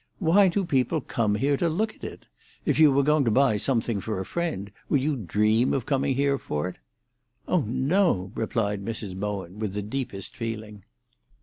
Why do people come here to look at it? If you were going to buy something for a friend, would you dream of coming here for it?" "Oh no!" replied Mrs. Bowen, with the deepest feeling.